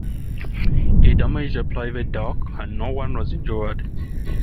It damaged a private dock, and no one was injured.